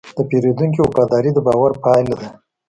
د پیرودونکي وفاداري د باور پايله ده.